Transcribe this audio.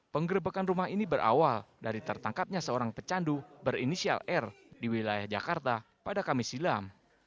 penggerbekan rumah ini berawal dari tertangkapnya seorang pecandu berinisial r di wilayah jakarta pada kamis silam